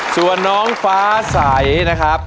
ส่วนน้องฟ้าใสนะครับ